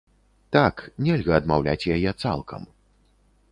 Так, нельга адмаўляць яе цалкам.